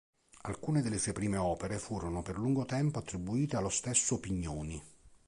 Alcune delle sue prime opere furono per lungo tempo attribuite allo stesso Pignoni.